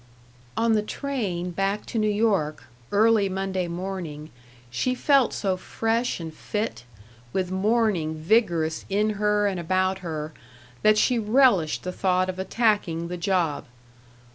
§ 7 On the train back to New York, early Monday morning, she felt so fresh and fit, with morning vigorous in her and about her, that she relished the thought of attacking the job.